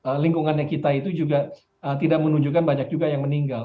di sekitar lingkungan yang kita itu juga tidak menunjukkan banyak juga yang meninggal